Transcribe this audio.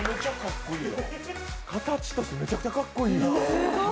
形としてめちゃくちゃかっこいい！